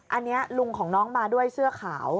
อันนี้ลุงของน้องมาด้วยเสื้อขาว